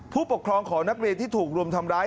ผู้ปกครองของนักเรียนที่ถูกรุมทำร้าย